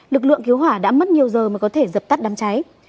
lực lượng cứu hỏa đã mất nhiều giờ mà có thể dập tắt đám cháy